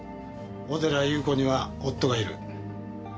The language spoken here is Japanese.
小寺裕子には夫がいる。